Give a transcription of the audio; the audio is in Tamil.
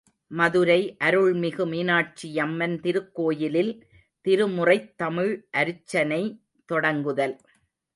● மதுரை அருள்மிகு மீனாட்சியம்மன் திருக்கோயிலில் திருமுறைத் தமிழ் அருச்சனை தொடங்குதல்.